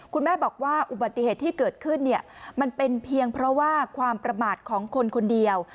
คุณแม่บอกว่าอุบัติเหตุที่เกิดขึ้นมันเป็นเพียงเพราะว่าความประมาทของคนคนเดียว